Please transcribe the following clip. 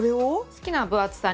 好きな分厚さ？